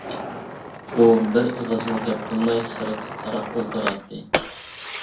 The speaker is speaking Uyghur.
ئۇ بىر ئېغىزمۇ گەپ قىلماي سىرتقا قاراپ ئولتۇراتتى.